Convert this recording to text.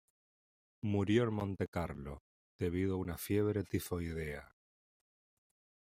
Murió en Montecarlo, debido a una fiebre tifoidea.